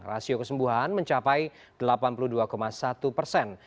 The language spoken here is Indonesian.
rasio kesembuhan mencapai delapan puluh dua satu persen